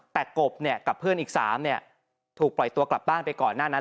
แต่กบกับเพื่อนอีก๓ถูกปล่อยตัวกลับบ้านไปก่อนหน้านั้น